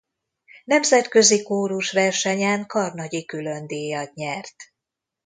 Nemzetközi Kórusversenyen karnagyi különdíjat nyert.